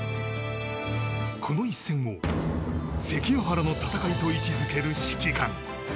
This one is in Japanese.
この一戦を関ヶ原の戦いと位置付ける指揮官。